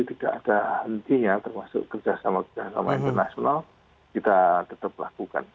jadi tidak ada hentinya termasuk kerjasama kerjasama internasional kita tetap lakukan